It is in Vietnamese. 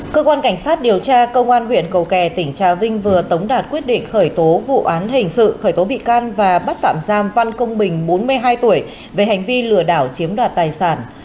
cơ quan cảnh sát điều tra công an huyện cầu kè tỉnh trà vinh vừa tống đạt quyết định khởi tố vụ án hình sự khởi tố bị can và bắt phạm giam văn công bình bốn mươi hai tuổi về hành vi lừa đảo chiếm đoạt tài sản